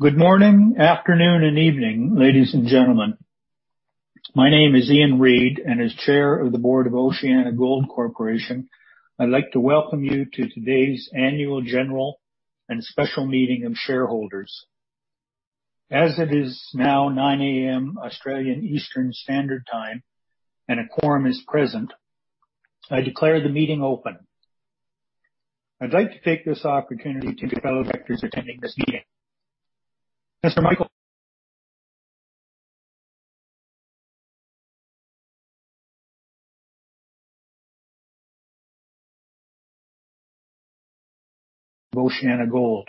Good morning, afternoon, and evening, ladies and gentlemen. My name is Ian Reid, and as Chair of the Board of OceanaGold Corporation, I'd like to welcome you to today's annual general and special meeting of shareholders. As it is now 9:00 A.M. Australian Eastern Standard Time and a quorum is present, I declare the meeting open. I'd like to take this opportunity to introduce my fellow directors attending this meeting. Mr. Michael Holmes.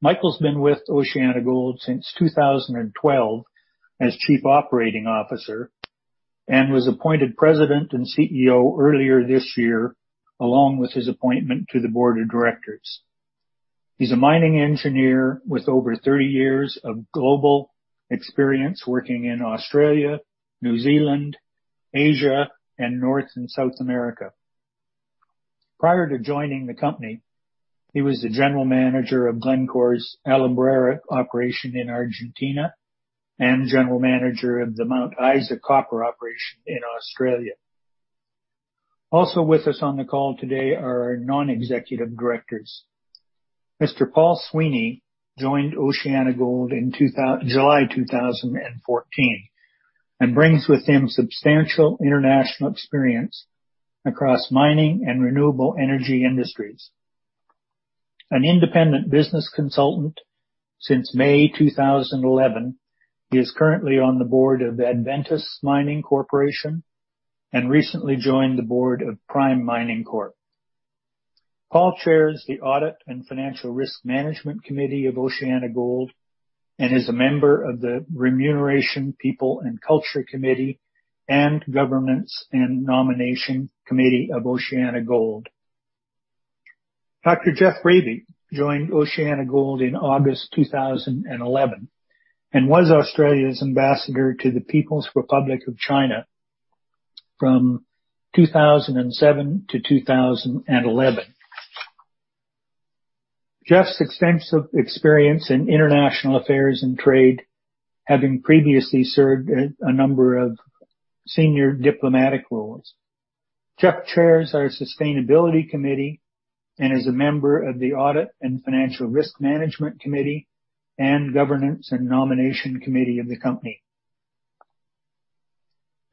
Michael's been with OceanaGold since 2012 as Chief Operating Officer, and was appointed President and CEO earlier this year, along with his appointment to the Board of Directors. He's a mining engineer with over 30 years of global experience working in Australia, New Zealand, Asia, and North and South America. Prior to joining the company, he was the general manager of Glencore's Alumbrera operation in Argentina and general manager of the Mount Isa copper operation in Australia. Also with us on the call today are our non-executive directors. Mr. Paul Sweeney joined OceanaGold in July 2014 and brings with him substantial international experience across mining and renewable energy industries. An independent business consultant since May 2011, he is currently on the board of Adventus Mining Corporation and recently joined the board of Prime Mining Corp. Paul chairs the Audit and Financial Risk Management Committee of OceanaGold and is a member of the Remuneration, People and Culture Committee, and Governance and Nominations Committee of OceanaGold. Dr. Geoff Raby joined OceanaGold in August 2011 and was Australia's ambassador to the People's Republic of China from 2007 to 2011. Geoff's extensive experience in international affairs and trade, having previously served a number of senior diplomatic roles. Geoff chairs our Sustainability Committee and is a member of the Audit and Financial Risk Management Committee and Governance and Nominations Committee of the company.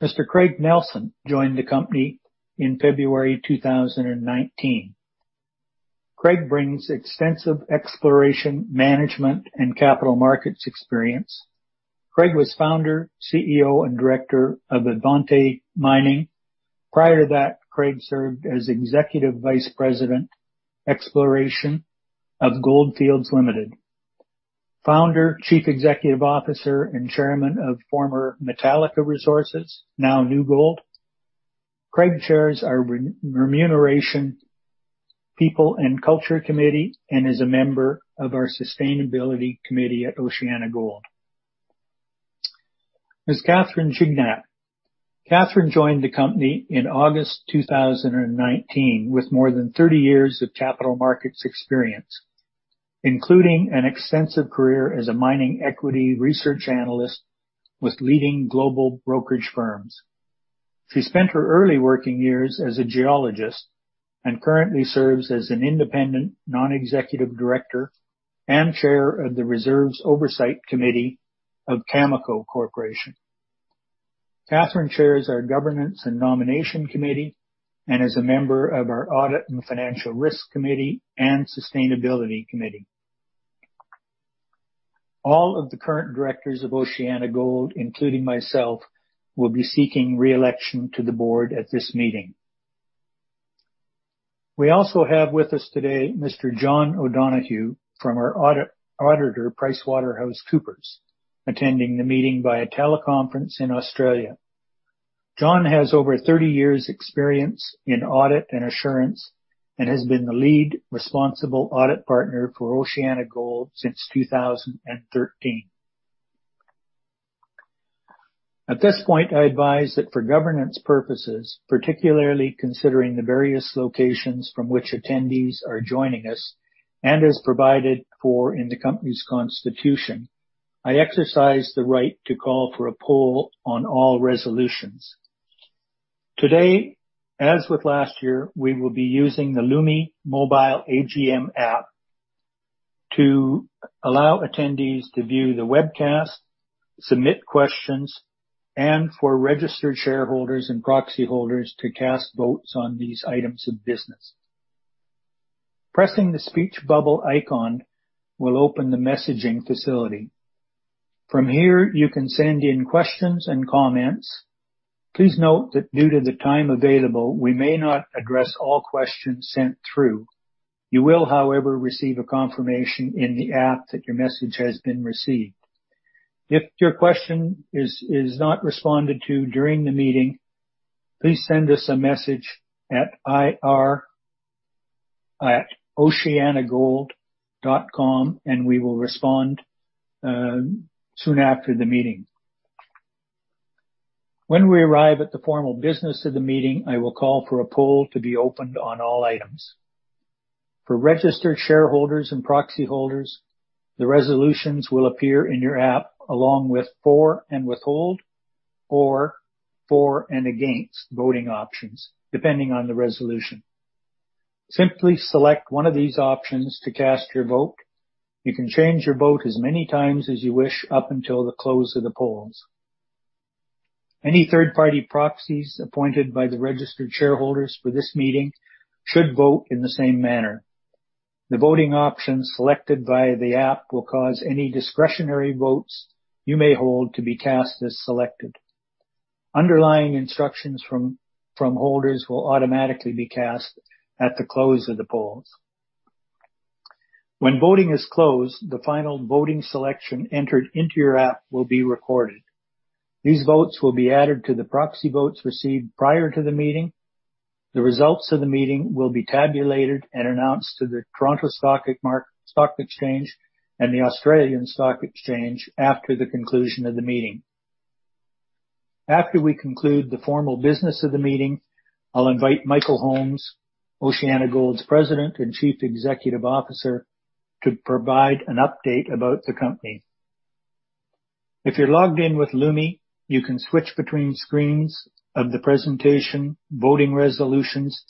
Mr. Craig Nelsen joined the company in February 2019. Craig brings extensive exploration management and capital markets experience. Craig was founder, CEO, and director of Avanti Mining. Prior to that, Craig served as Executive Vice President, Exploration of Gold Fields Limited, founder, Chief Executive Officer, and Chairman of former Metallica Resources, now New Gold. Craig chairs our Remuneration, People and Culture Committee and is a member of our Sustainability Committee at OceanaGold. Ms. Catherine Gignac. Catherine joined the company in August 2019 with more than 30 years of capital markets experience, including an extensive career as a mining equity research analyst with leading global brokerage firms. She spent her early working years as a geologist and currently serves as an independent non-executive director and chair of the Reserves Oversight Committee of Cameco Corporation. Catherine chairs our Governance and Nominations Committee and is a member of our Audit and Financial Risk Committee and Sustainability Committee. All of the current directors of OceanaGold, including myself, will be seeking re-election to the board at this meeting. We also have with us today Mr. John O'Donoghue from our auditor, PricewaterhouseCoopers, attending the meeting via teleconference in Australia. John has over 30 years' experience in audit and assurance and has been the lead responsible audit partner for OceanaGold since 2013. At this point, I advise that for governance purposes, particularly considering the various locations from which attendees are joining us, and as provided for in the company's constitution, I exercise the right to call for a poll on all resolutions. Today, as with last year, we will be using the Lumi mobile AGM app to allow attendees to view the webcast, submit questions, and for registered shareholders and proxy holders to cast votes on these items of business. Pressing the speech bubble icon will open the messaging facility. From here, you can send in questions and comments. Please note that due to the time available, we may not address all questions sent through. You will, however, receive a confirmation in the app that your message has been received. If your question is not responded to during the meeting, please send us a message at ir@oceanagold.com and we will respond soon after the meeting. When we arrive at the formal business of the meeting, I will call for a poll to be opened on all items. For registered shareholders and proxy holders, the resolutions will appear in your app along with for and withhold, or for and against voting options, depending on the resolution. Simply select one of these options to cast your vote. You can change your vote as many times as you wish up until the close of the polls. Any third-party proxies appointed by the registered shareholders for this meeting should vote in the same manner. The voting options selected via the app will cause any discretionary votes you may hold to be cast as selected. Underlying instructions from holders will automatically be cast at the close of the polls. When voting is closed, the final voting selection entered into your app will be recorded. These votes will be added to the proxy votes received prior to the meeting. The results of the meeting will be tabulated and announced to the Toronto Stock Exchange and the Australian Securities Exchange after the conclusion of the meeting. After we conclude the formal business of the meeting, I'll invite Michael Holmes, OceanaGold's President and Chief Executive Officer, to provide an update about the company. If you're logged in with Lumi, you can switch between screens of the presentation, voting resolutions,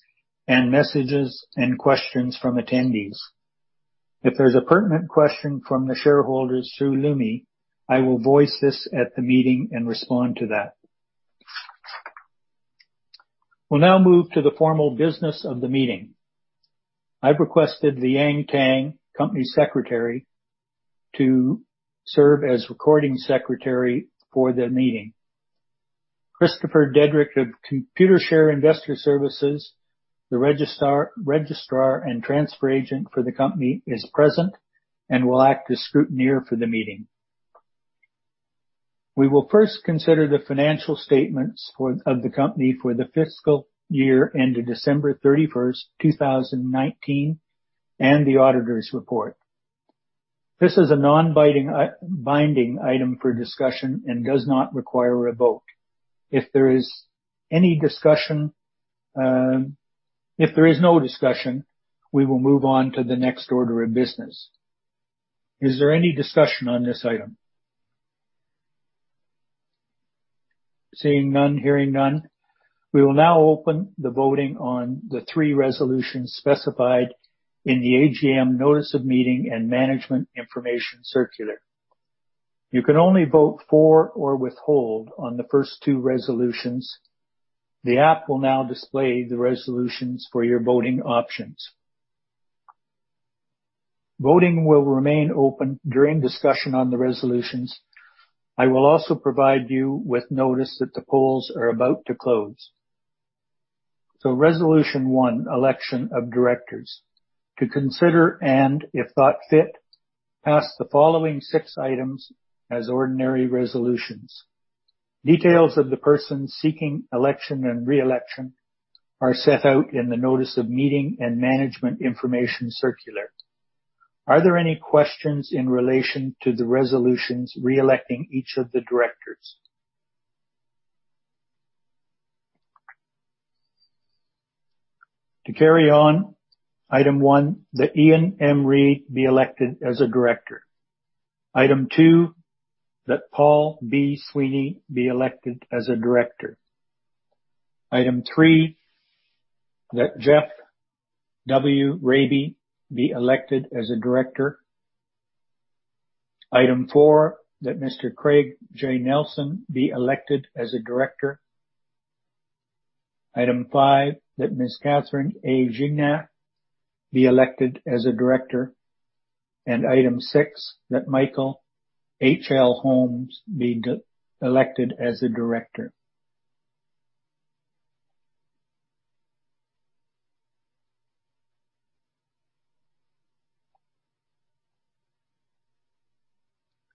and messages and questions from attendees. If there's a pertinent question from the shareholders through Lumi, I will voice this at the meeting and respond to that. We'll now move to the formal business of the meeting. I've requested Liang Tang, Company Secretary, to serve as recording secretary for the meeting. Christopher Dedrick of Computershare Investor Services, the registrar and transfer agent for the company, is present and will act as scrutineer for the meeting. We will first consider the financial statements of the company for the fiscal year ended December 31st, 2019, and the auditor's report. This is a non-binding item for discussion and does not require a vote. If there is no discussion, we will move on to the next order of business. Is there any discussion on this item? Seeing none, hearing none, we will now open the voting on the three resolutions specified in the AGM notice of meeting and management information circular. You can only vote for or withhold on the first two resolutions. The app will now display the resolutions for your voting options. Voting will remain open during discussion on the resolutions. I will also provide you with notice that the polls are about to close. Resolution one, election of directors. To consider, and if thought fit, pass the following six items as ordinary resolutions. Details of the persons seeking election and re-election are set out in the notice of meeting and management information circular. Are there any questions in relation to the resolutions re-electing each of the directors? To carry on, item one, that Ian M. Reid be elected as a director. Item two, that Paul B. Sweeney be elected as a director. Item three, that Geoff W. Raby be elected as a director. Item four, that Mr. Craig J. Nelsen be elected as a director. Item five, that Ms. Catherine A. Gignac be elected as a director. Item six, that Michael H. L. Holmes be elected as a director.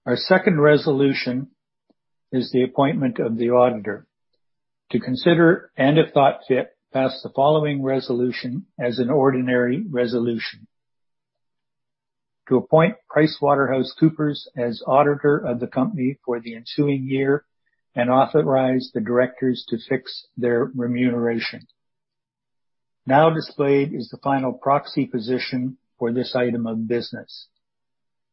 Our second resolution is the appointment of the auditor. To consider, and if thought fit, pass the following resolution as an ordinary resolution. To appoint PricewaterhouseCoopers as auditor of the company for the ensuing year and authorize the directors to fix their remuneration. Now displayed is the final proxy position for this item of business.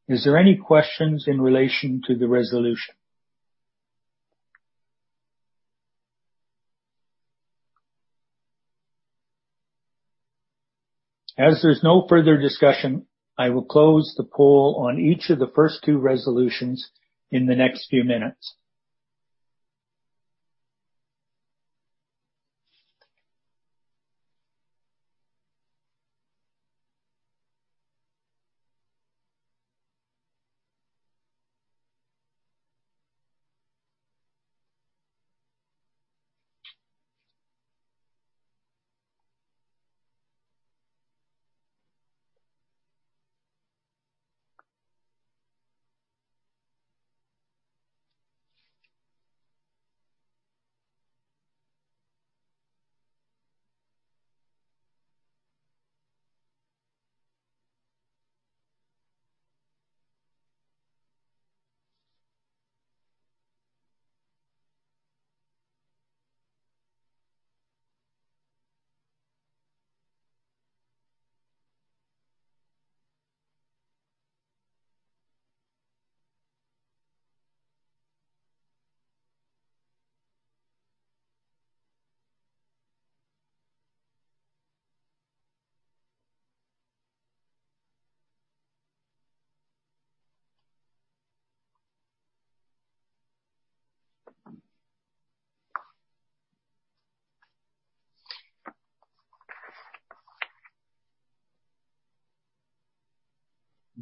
Is there any questions in relation to the resolution? There's no further discussion, I will close the poll on each of the first two resolutions in the next few minutes.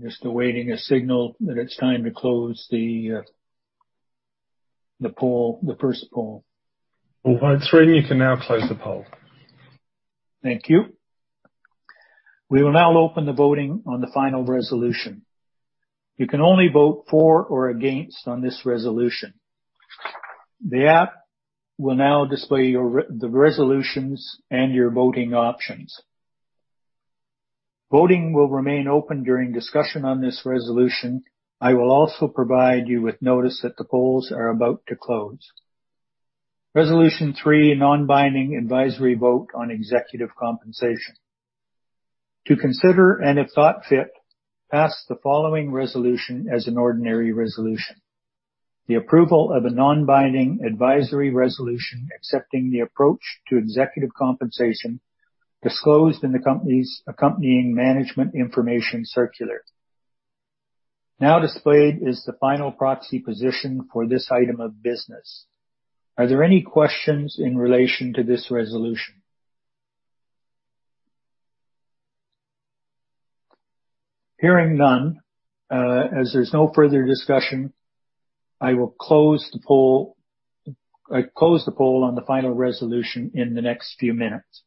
Just awaiting a signal that it's time to close the first poll. All right, Srini, you can now close the poll. Thank you. We will now open the voting on the final resolution. You can only vote for or against on this resolution. The app will now display the resolutions and your voting options. Voting will remain open during discussion on this resolution. I will also provide you with notice that the polls are about to close. Resolution three, non-binding advisory vote on executive compensation. To consider, if thought fit, pass the following resolution as an ordinary resolution. The approval of a non-binding advisory resolution accepting the approach to executive compensation disclosed in the company's accompanying management information circular. Now displayed is the final proxy position for this item of business. Are there any questions in relation to this resolution? Hearing none, as there's no further discussion, I will close the poll on the final resolution in the next few minutes.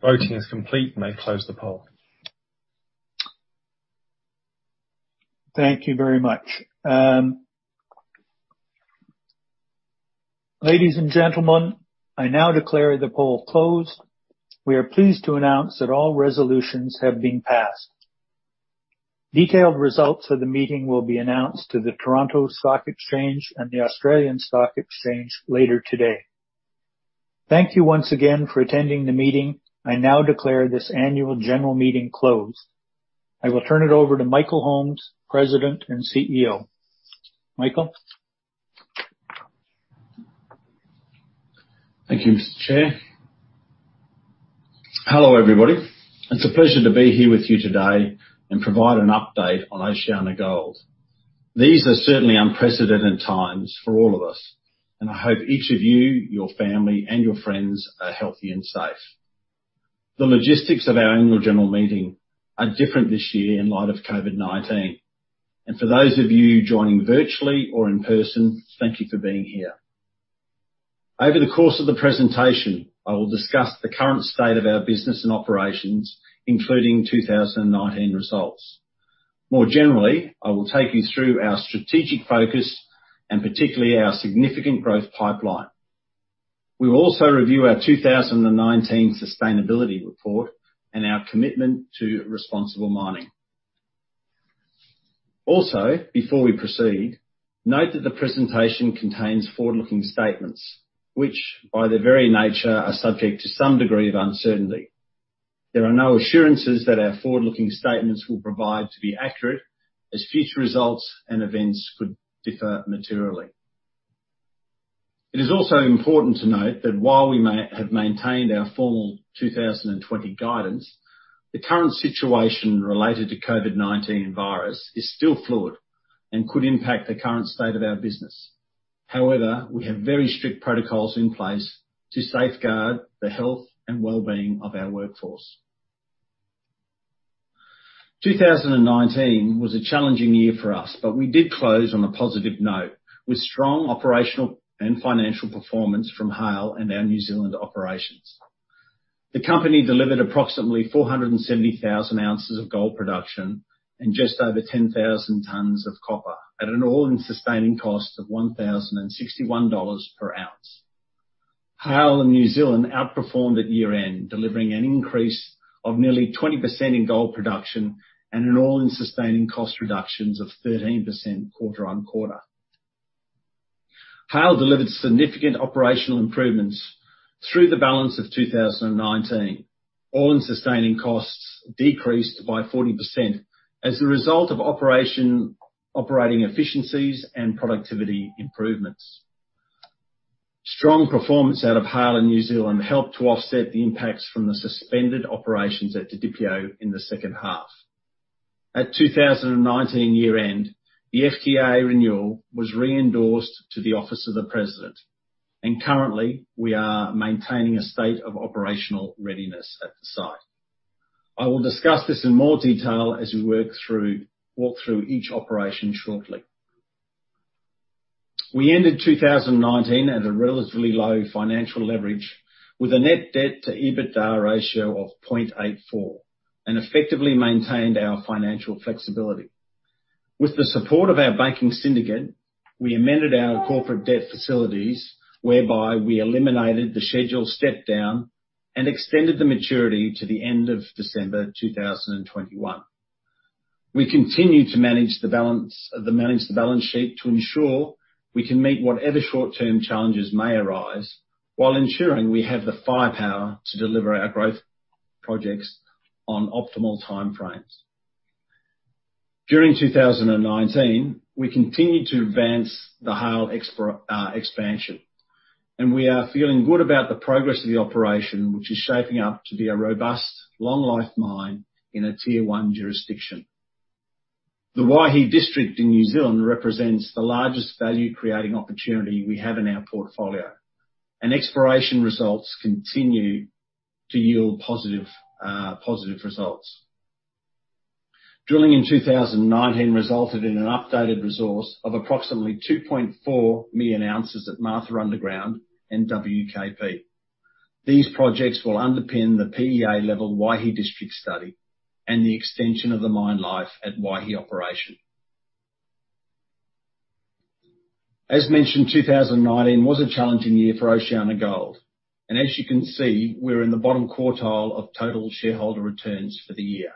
Voting is complete. You may close the poll. Thank you very much. Ladies and gentlemen, I now declare the poll closed. We are pleased to announce that all resolutions have been passed. Detailed results of the meeting will be announced to the Toronto Stock Exchange and the Australian Securities Exchange later today. Thank you once again for attending the meeting. I now declare this annual general meeting closed. I will turn it over to Michael Holmes, President and CEO. Michael? Thank you, Mr. Chair. Hello, everybody. It's a pleasure to be here with you today and provide an update on OceanaGold. These are certainly unprecedented times for all of us, and I hope each of you, your family, and your friends are healthy and safe. The logistics of our annual general meeting are different this year in light of COVID-19. For those of you joining virtually or in person, thank you for being here. Over the course of the presentation, I will discuss the current state of our business and operations, including 2019 results. More generally, I will take you through our strategic focus, and particularly our significant growth pipeline. We will also review our 2019 sustainability report and our commitment to responsible mining. Also, before we proceed, note that the presentation contains forward-looking statements, which by their very nature are subject to some degree of uncertainty. There are no assurances that our forward-looking statements will provide to be accurate, as future results and events could differ materially. It is also important to note that while we have maintained our formal 2020 guidance, the current situation related to COVID-19 virus is still fluid and could impact the current state of our business. We have very strict protocols in place to safeguard the health and well-being of our workforce. 2019 was a challenging year for us, we did close on a positive note, with strong operational and financial performance from Haile and our New Zealand operations. The company delivered approximately 470,000 oz of gold production and just over 10,000 tons of copper at an all-in sustaining cost of $1,061 /oz. Haile and New Zealand outperformed at year-end, delivering an increase of nearly 20% in gold production and an all-in sustaining cost reductions of 13% quarter-on-quarter. Haile delivered significant operational improvements through the balance of 2019. All-in sustaining costs decreased by 40% as a result of operating efficiencies and productivity improvements. Strong performance out of Haile and New Zealand helped to offset the impacts from the suspended operations at Didipio in the second half. At 2019 year-end, the FTAA renewal was re-endorsed to the Office of the President, currently, we are maintaining a state of operational readiness at the site. I will discuss this in more detail as we walk through each operation shortly. We ended 2019 at a relatively low financial leverage with a net debt to EBITDA ratio of 0.84, effectively maintained our financial flexibility. With the support of our banking syndicate, we amended our corporate debt facilities, whereby we eliminated the scheduled step down and extended the maturity to the end of December 2021. We continue to manage the balance sheet to ensure we can meet whatever short-term challenges may arise while ensuring we have the firepower to deliver our growth projects on optimal timeframes. During 2019, we continued to advance the Haile expansion, and we are feeling good about the progress of the operation, which is shaping up to be a robust, long life mine in a Tier 1 jurisdiction. The Waihi District in New Zealand represents the largest value-creating opportunity we have in our portfolio. Exploration results continue to yield positive results. Drilling in 2019 resulted in an updated resource of approximately 2.4 million ounces at Martha Underground and WKP. These projects will underpin the PEA level Waihi District Study and the extension of the mine life at Waihi operation. As mentioned, 2019 was a challenging year for OceanaGold, and as you can see, we're in the bottom quartile of total shareholder returns for the year.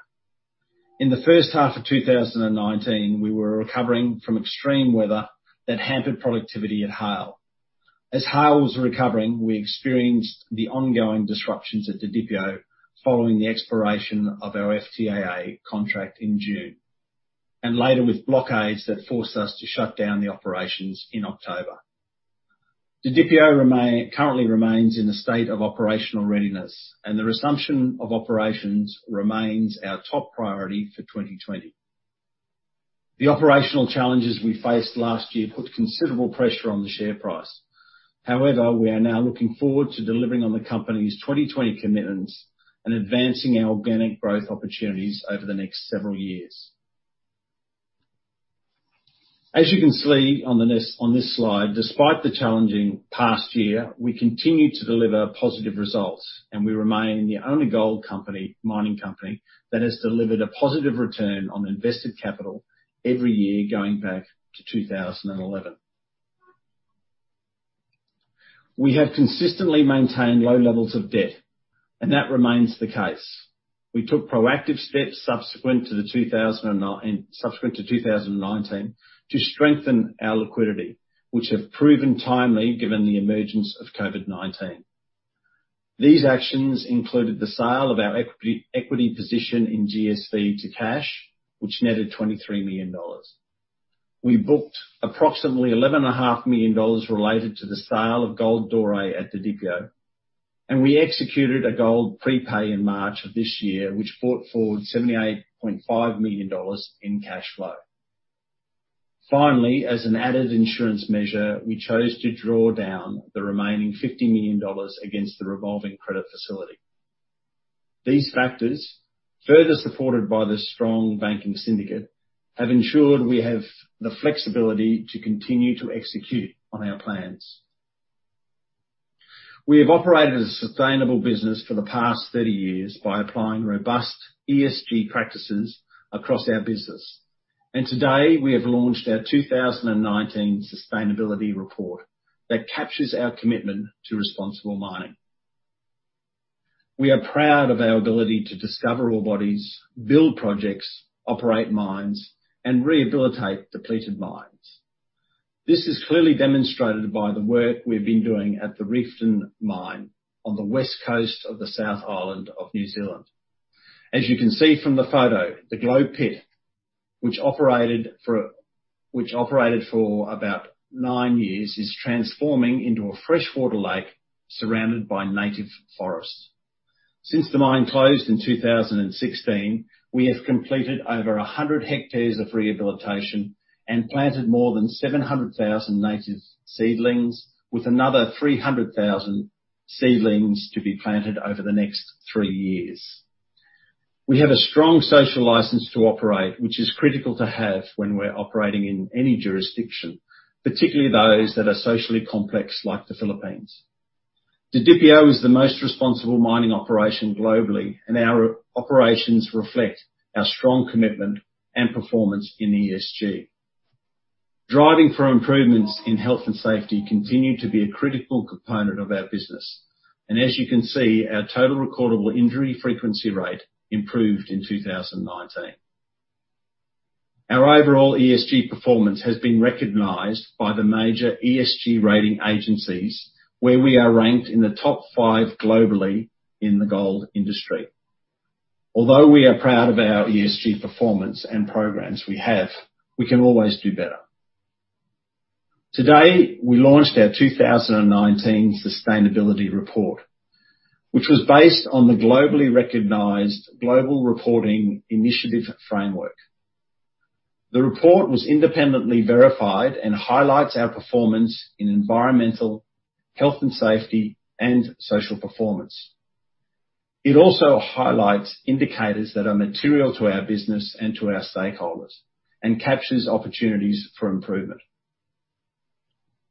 In the first half of 2019, we were recovering from extreme weather that hampered productivity at Haile. As Haile was recovering, we experienced the ongoing disruptions at Didipio following the expiration of our FTAA contract in June, and later with blockades that forced us to shut down the operations in October. Didipio currently remains in a state of operational readiness, and the resumption of operations remains our top priority for 2020. The operational challenges we faced last year put considerable pressure on the share price. We are now looking forward to delivering on the company's 2020 commitments and advancing our organic growth opportunities over the next several years. As you can see on this slide, despite the challenging past year, we continue to deliver positive results, and we remain the only gold mining company that has delivered a positive return on invested capital every year going back to 2011. We have consistently maintained low levels of debt, and that remains the case. We took proactive steps subsequent to 2019 to strengthen our liquidity, which have proven timely given the emergence of COVID-19. These actions included the sale of our equity position in GSV to cash, which netted $23 million. We booked approximately $11.5 million related to the sale of gold doré at Didipio, and we executed a gold prepay in March of this year, which brought forward $78.5 million in cash flow. Finally, as an added insurance measure, we chose to draw down the remaining $50 million against the revolving credit facility. These factors, further supported by the strong banking syndicate, have ensured we have the flexibility to continue to execute on our plans. We have operated a sustainable business for the past 30 years by applying robust ESG practices across our business. Today, we have launched our 2019 sustainability report that captures our commitment to responsible mining. We are proud of our ability to discover ore bodies, build projects, operate mines, and rehabilitate depleted mines. This is clearly demonstrated by the work we've been doing at the Reefton mine on the west coast of the South Island of New Zealand. As you can see from the photo, the Globe Pit, which operated for about nine years, is transforming into a freshwater lake surrounded by native forests. Since the mine closed in 2016, we have completed over 100 hectares of rehabilitation and planted more than 700,000 native seedlings, with another 300,000 seedlings to be planted over the next three years. We have a strong social license to operate, which is critical to have when we're operating in any jurisdiction, particularly those that are socially complex, like the Philippines. Didipio is the most responsible mining operation globally, and our operations reflect our strong commitment and performance in ESG. Driving for improvements in health and safety continue to be a critical component of our business. As you can see, our total recordable injury frequency rate improved in 2019. Our overall ESG performance has been recognized by the major ESG rating agencies, where we are ranked in the top five globally in the gold industry. Although we are proud of our ESG performance and programs we have, we can always do better. Today, we launched our 2019 sustainability report, which was based on the globally recognized Global Reporting Initiative framework. The report was independently verified and highlights our performance in environmental, health and safety, and social performance. It also highlights indicators that are material to our business and to our stakeholders and captures opportunities for improvement.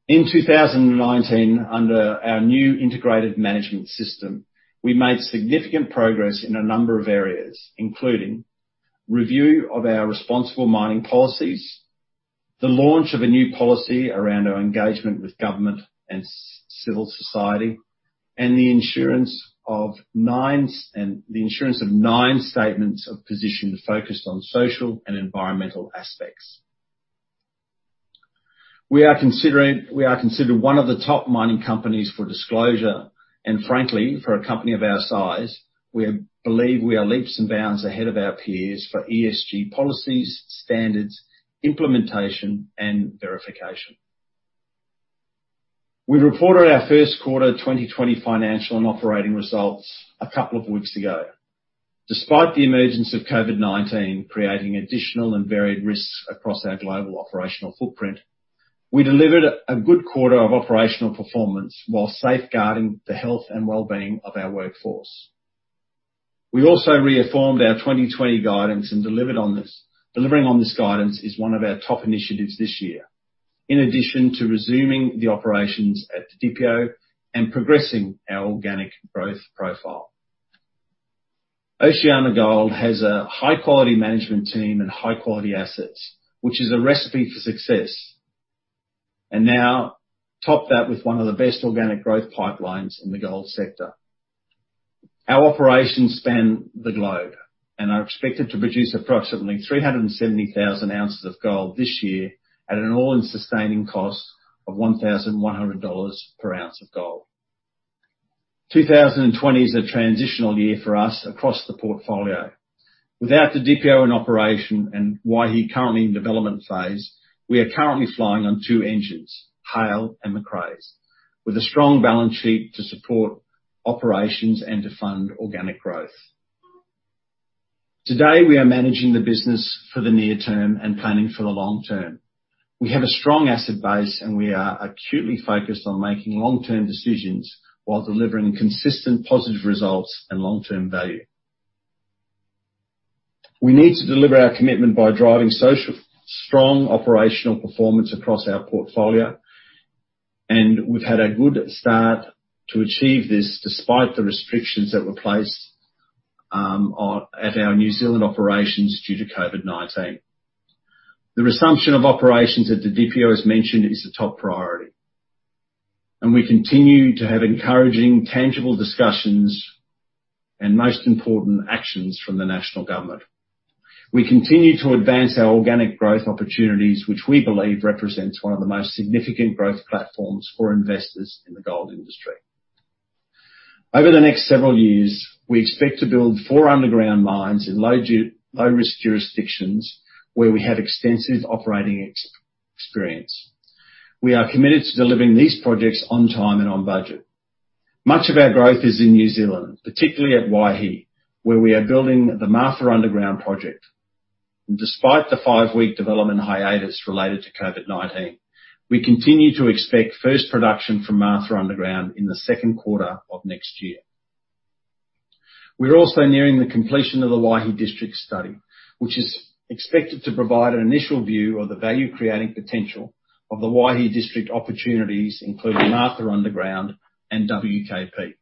In 2019, under our new Integrated Management System, we made significant progress in a number of areas, including review of our responsible mining policies, the launch of a new policy around our engagement with government and civil society, and the insurance of nine statements of position focused on social and environmental aspects. We are considered one of the top mining companies for disclosure, and frankly, for a company of our size, we believe we are leaps and bounds ahead of our peers for ESG policies, standards, implementation, and verification. We reported our first quarter 2020 financial and operating results a couple of weeks ago. Despite the emergence of COVID-19 creating additional and varied risks across our global operational footprint, we delivered a good quarter of operational performance while safeguarding the health and wellbeing of our workforce. We also reformed our 2020 guidance and delivered on this. Delivering on this guidance is one of our top initiatives this year, in addition to resuming the operations at the Didipio and progressing our organic growth profile. OceanaGold has a high-quality management team and high-quality assets, which is a recipe for success. Top that with one of the best organic growth pipelines in the gold sector. Our operations span the globe and are expected to produce approximately 370,000 oz of gold this year at an all-in sustaining cost of $1,100 /oz of gold. 2020 is a transitional year for us across the portfolio. Without the Didipio in operation and Waihi currently in development phase, we are currently flying on two engines, Haile and Macraes, with a strong balance sheet to support operations and to fund organic growth. Today, we are managing the business for the near term and planning for the long term. We have a strong asset base, we are acutely focused on making long-term decisions while delivering consistent positive results and long-term value. We need to deliver our commitment by driving strong operational performance across our portfolio, and we've had a good start to achieve this despite the restrictions that were placed at our New Zealand operations due to COVID-19. The resumption of operations at the Didipio, as mentioned, is a top priority, and we continue to have encouraging, tangible discussions and most important actions from the national government. We continue to advance our organic growth opportunities, which we believe represents one of the most significant growth platforms for investors in the gold industry. Over the next several years, we expect to build four underground mines in low risk jurisdictions where we have extensive operating experience. We are committed to delivering these projects on time and on budget. Much of our growth is in New Zealand, particularly at Waihi, where we are building the Martha Underground Project. Despite the five-week development hiatus related to COVID-19, we continue to expect first production from Martha Underground in the second quarter of next year. We're also nearing the completion of the Waihi District Study, which is expected to provide an initial view of the value-creating potential of the Waihi District opportunities, including Martha Underground and WKP.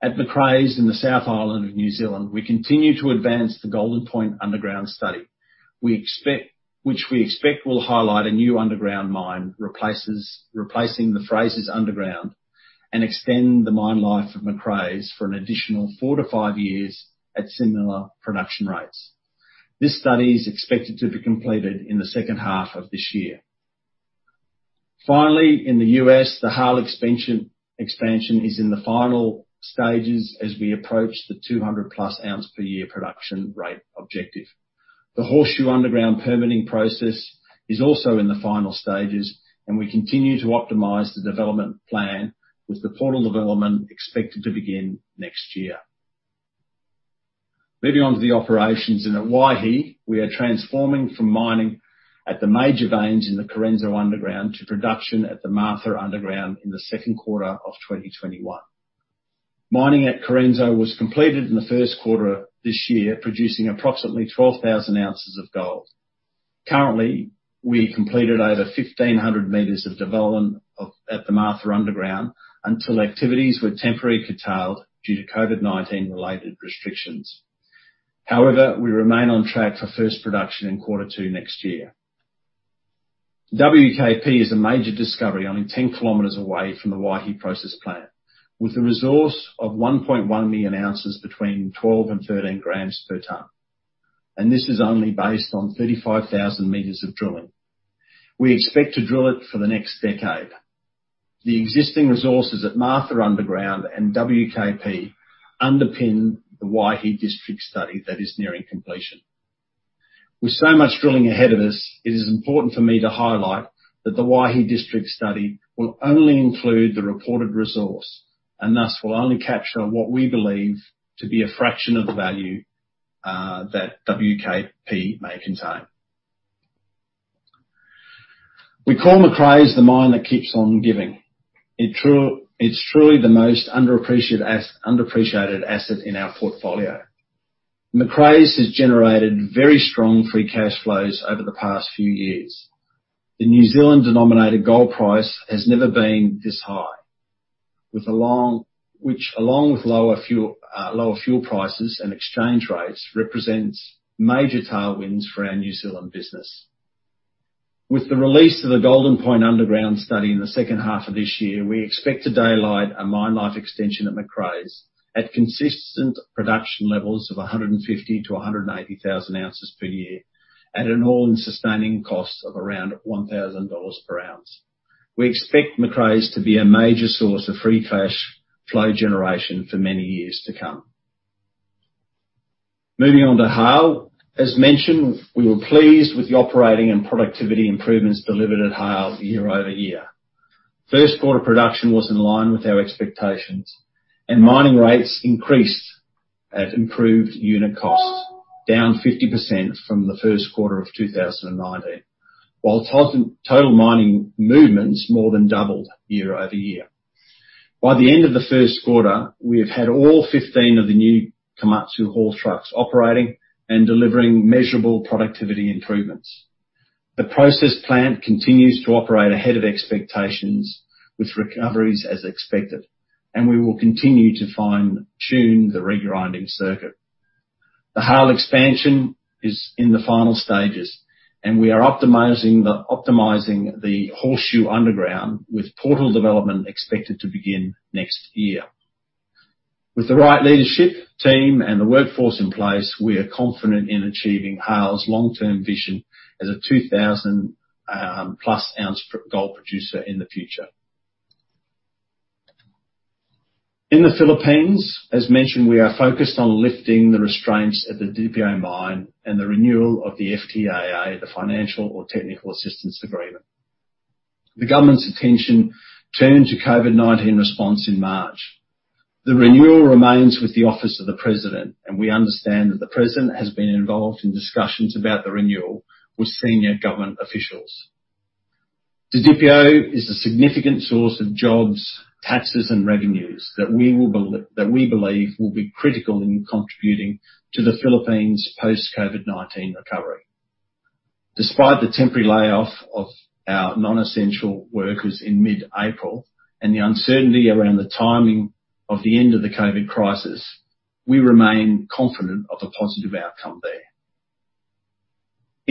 At Macraes in the South Island of New Zealand, we continue to advance the Golden Point underground study, which we expect will highlight a new underground mine replacing the Frasers Underground and extend the mine life of Macraes for an additional four to five years at similar production rates. This study is expected to be completed in the second half of this year. Finally, in the U.S., the Haile expansion is in the final stages as we approach the 200+ oz per year production rate objective. The Horseshoe Underground permitting process is also in the final stages. We continue to optimize the development plan with the portal development expected to begin next year. Moving on to the operations, at Waihi, we are transforming from mining at the major veins in the Correnso Underground to production at the Martha Underground in the second quarter of 2021. Mining at Correnso was completed in the first quarter of this year, producing approximately 12,000 oz of gold. Currently, we completed over 1,500 m of development at the Martha Underground until activities were temporarily curtailed due to COVID-19 related restrictions. We remain on track for first production in quarter two next year. WKP is a major discovery only 10 km away from the Waihi process plant, with a resource of 1.1 million ounces between 12 and 13 g per ton. This is only based on 35,000 m of drilling. We expect to drill it for the next decade. The existing resources at Martha Underground and WKP underpin the Waihi District Study that is nearing completion. With so much drilling ahead of us, it is important for me to highlight that the Waihi District Study will only include the reported resource and thus will only capture what we believe to be a fraction of the value that WKP may contain. We call Macraes the mine that keeps on giving. It's truly the most underappreciated asset in our portfolio. Macraes has generated very strong free cash flows over the past few years. The New Zealand-denominated gold price has never been this high. Which, along with lower fuel prices and exchange rates, represents major tailwinds for our New Zealand business. With the release of the Golden Point underground study in the second half of this year, we expect to daylight a mine life extension at Macraes at consistent production levels of 150 to 180,000 oz per year at an all-in sustaining cost of around $1,000 /oz. We expect Macraes to be a major source of free cash flow generation for many years to come. Moving on to Haile. As mentioned, we were pleased with the operating and productivity improvements delivered at Haile year-over-year. First quarter production was in line with our expectations, and mining rates increased at improved unit costs, down 50% from the first quarter of 2019. While total mining movements more than doubled year-over-year. By the end of the first quarter, we have had all 15 of the new Komatsu haul trucks operating and delivering measurable productivity improvements. The process plant continues to operate ahead of expectations with recoveries as expected, and we will continue to fine-tune the regrinding circuit. The Haile expansion is in the final stages, and we are optimizing the Horseshoe Underground with portal development expected to begin next year. With the right leadership, team, and the workforce in place, we are confident in achieving Haile's long-term vision as a 2,000+ oz gold producer in the future. In the Philippines, as mentioned, we are focused on lifting the restraints at the Didipio mine and the renewal of the FTAA, the Financial or Technical Assistance Agreement. The government's attention turned to COVID-19 response in March. The renewal remains with the Office of the President, and we understand that the President has been involved in discussions about the renewal with senior government officials. Didipio is a significant source of jobs, taxes, and revenues that we believe will be critical in contributing to the Philippines' post-COVID-19 recovery. Despite the temporary layoff of our non-essential workers in mid-April and the uncertainty around the timing of the end of the COVID crisis, we remain confident of a positive outcome there.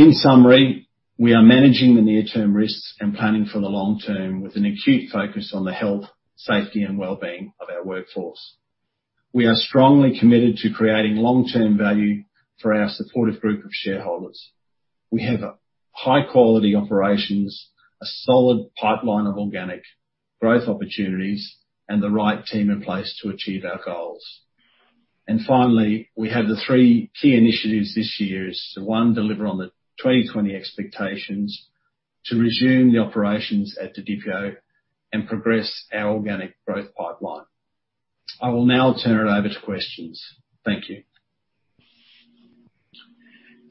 In summary, we are managing the near-term risks and planning for the long term with an acute focus on the health, safety, and well-being of our workforce. We are strongly committed to creating long-term value for our supportive group of shareholders. We have high-quality operations, a solid pipeline of organic growth opportunities, and the right team in place to achieve our goals. Finally, we have the three key initiatives this year. One, deliver on the 2020 expectations, to resume the operations at Didipio, and progress our organic growth pipeline. I will now turn it over to questions. Thank you.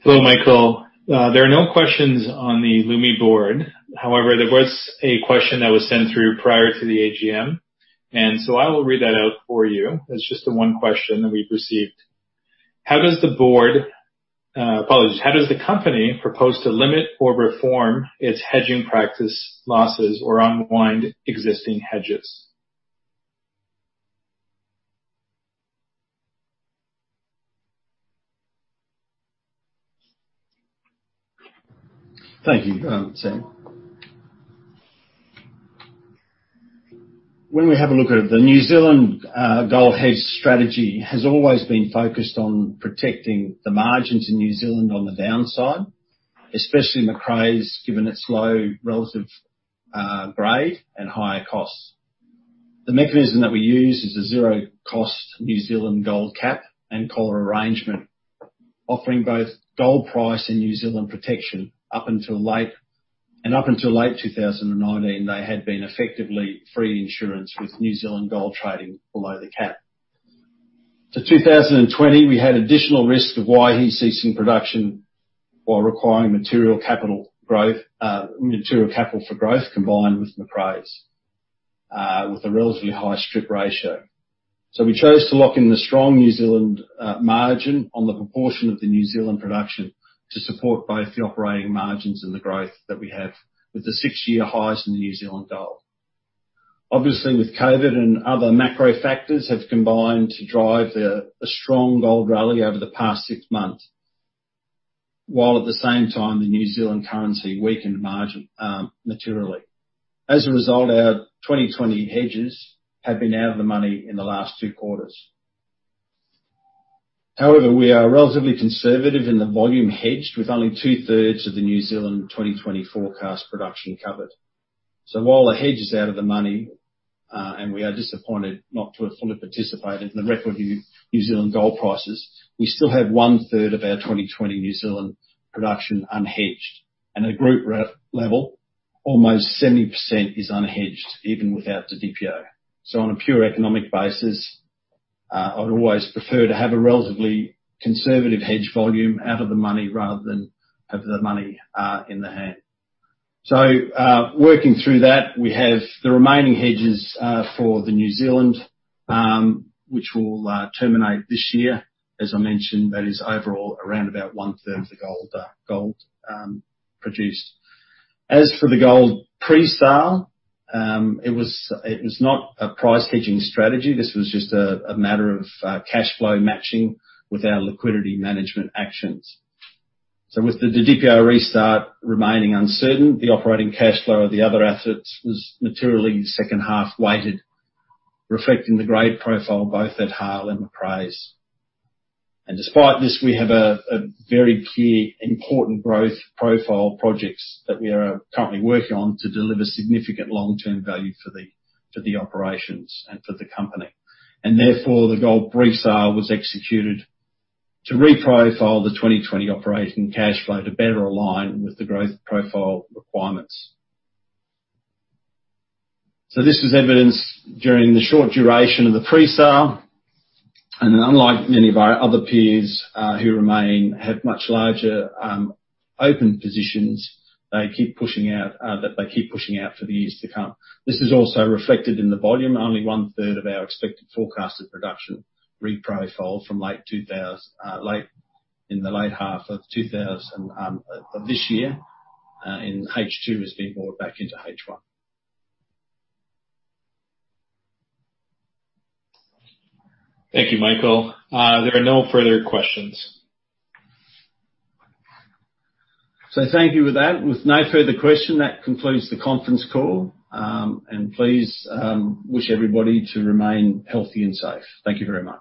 Hello, Michael. There are no questions on the Lumi board. There was a question that was sent through prior to the AGM. I will read that out for you. That's just the one question that we've received. How does the company propose to limit or reform its hedging practice losses or unwind existing hedges? Thank you, Sam. When we have a look at it, the New Zealand gold hedge strategy has always been focused on protecting the margins in New Zealand on the downside, especially Macraes, given its low relative grade and higher costs. The mechanism that we use is a zero-cost New Zealand gold cap and collar arrangement, offering both gold price and New Zealand protection. Up until late 2019, they had been effectively free insurance with New Zealand gold trading below the cap. To 2020, we had additional risk of Waihi ceasing production while requiring material capital for growth combined with Macraes with a relatively high strip ratio. We chose to lock in the strong New Zealand margin on the proportion of the New Zealand production to support both the operating margins and the growth that we have with the six-year highs in the New Zealand gold. With COVID and other macro factors have combined to drive a strong gold rally over the past six months, while at the same time the New Zealand currency weakened materially. Our 2020 hedges have been out of the money in the last two quarters. We are relatively conservative in the volume hedged with only 2/3 of the New Zealand 2020 forecast production covered. While the hedge is out of the money, and we are disappointed not to have fully participated in the record New Zealand gold prices, we still have 1/3 of our 2020 New Zealand production unhedged. At a group level, almost 70% is unhedged even without Didipio. On a pure economic basis, I'd always prefer to have a relatively conservative hedge volume out of the money rather than have the money in the hand. Working through that, we have the remaining hedges for the New Zealand, which will terminate this year. As I mentioned, that is overall around about 1/3 of the gold produced. As for the gold pre-sale, it was not a price hedging strategy. This was just a matter of cash flow matching with our liquidity management actions. With the Didipio restart remaining uncertain, the operating cash flow of the other assets was materially second half-weighted, reflecting the grade profile both at Haile and Macraes. Despite this, we have a very clear important growth profile projects that we are currently working on to deliver significant long-term value for the operations and for the company. Therefore, the gold pre-sale was executed to re-profile the 2020 operating cash flow to better align with the growth profile requirements. This was evidenced during the short duration of the pre-sale, and unlike many of our other peers who remain, have much larger open positions that they keep pushing out for the years to come. This is also reflected in the volume. Only 1/3 of our expected forecasted production re-profiled in the late half of this year, in H2 has been brought back into H1. Thank you, Michael. There are no further questions. Thank you for that. With no further question, that concludes the conference call. Please, wish everybody to remain healthy and safe. Thank you very much.